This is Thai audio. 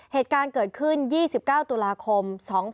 เหตุการณ์เกิดขึ้น๒๙ตุลาคม๒๕๖๒